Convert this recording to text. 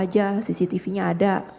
aja cctv nya ada